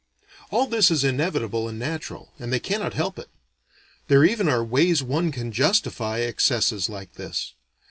All this is inevitable and natural, and they cannot help it. There even are ways one can justify excesses like this.